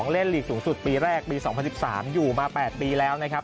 เล่นลีกสูงสุดปีแรกปี๒๐๑๓อยู่มา๘ปีแล้วนะครับ